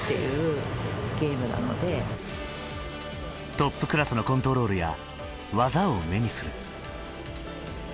トップクラスのコントロールや技を目にする。